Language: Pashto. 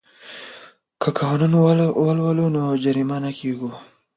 که قانون ولولو نو جریمه نه کیږو.